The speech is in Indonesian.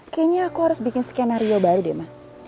kayaknya aku harus bikin skenario baru deh ma